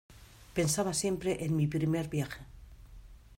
pensaba siempre en mi primer viaje.